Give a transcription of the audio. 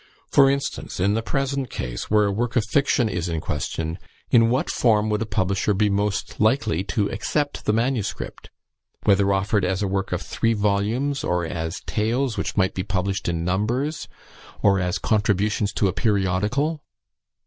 For instance, in the present case, where a work of fiction is in question, in what form would a publisher be most likely to accept the MS.? Whether offered as a work of three vols., or as tales which might be published in numbers, or as contributions to a periodical?